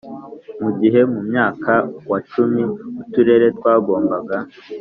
mu gihe mu myaka wa cumi uturere twagombaga